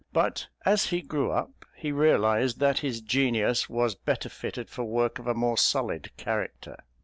But as he grew up he realised that his genius was better fitted for work of a more solid character.